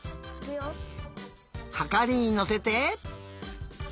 はかりにのせて。